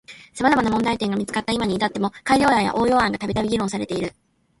様々な問題点が見つかった今に至っても改良案や応用案がたびたび議論されている。